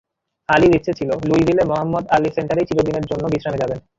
আলীর ইচ্ছে ছিল, লুইভিলে মোহাম্মদ আলী সেন্টারেই চিরদিনের জন্য বিশ্রামে যাবেন।